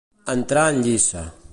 Entrar en lliça.